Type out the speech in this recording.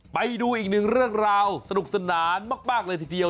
ไปดูอีกหนึ่งเรื่องราวสนุกสนานมากเลยทีเดียว